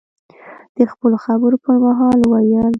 د خپلو خبرو په مهال، وویل: